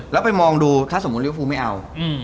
แล้วไปมองดูถ้าสมมุติริวฟูไม่เอา